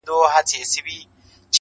زه پر خپلي ناشکرۍ باندي اوس ژاړم،